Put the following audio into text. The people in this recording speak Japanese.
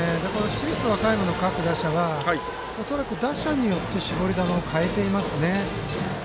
市立和歌山の各打者が恐らく打者によって絞り球を変えていますね。